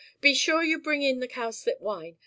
Be sure you bring in the cowslip wine.